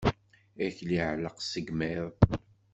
Akli iɛelleq seg imiḍ.